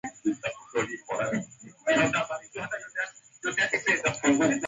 kilomita ulikuwa unasababisha mvua ya asidi ambayo ilikuwa